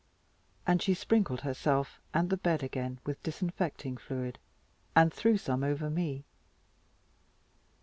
And she sprinkled herself, and the bed again, with disinfecting fluid, and threw some over me.